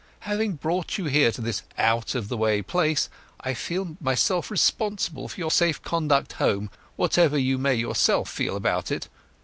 Having brought you here to this out of the way place, I feel myself responsible for your safe conduct home, whatever you may yourself feel about it.